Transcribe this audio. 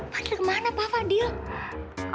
pak fadil kemana pak fadil